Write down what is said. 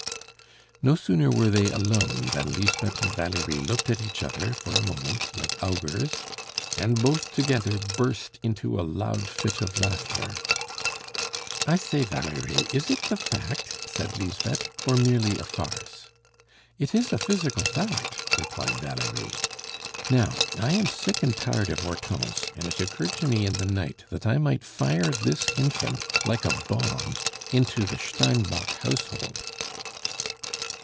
No sooner were they alone than Lisbeth and Valerie looked at each other for a moment like Augurs, and both together burst into a loud fit of laughter. "I say, Valerie is it the fact?" said Lisbeth, "or merely a farce?" "It is a physical fact!" replied Valerie. "Now, I am sick and tired of Hortense; and it occurred to me in the night that I might fire this infant, like a bomb, into the Steinbock household."